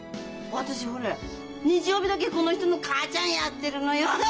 私ほれ日曜日だけこの人のかあちゃんやってるのよ。